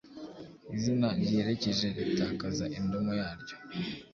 Izina giherekeje ritakaza indomo yaryo,